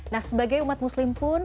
nah sebagai umat muslim pun